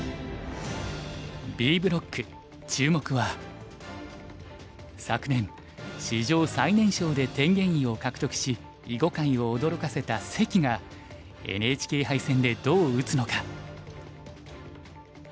Ｂブロック注目は昨年史上最年少で天元位を獲得し囲碁界を驚かせた関がＮＨＫ杯戦でどう打つのか。